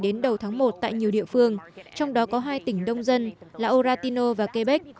đến đầu tháng một tại nhiều địa phương trong đó có hai tỉnh đông dân là oratino và quebec